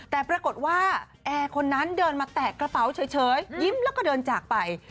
แต่ปรากฏว่าแอร์คนนั้นเดินมาแตกกระเป๋าเฉยยิ้มแล้วก็เดินจากไป